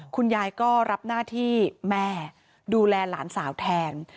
คุณยายก็รับหน้าที่แม่ดูแลหลานสาวแทน